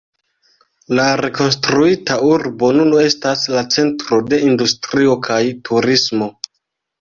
La rekonstruita urbo nun estas la centro de industrio kaj turismo.